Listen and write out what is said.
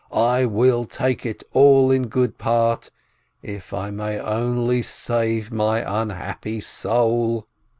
I will take it all in good part, if I may only save my unhappy soul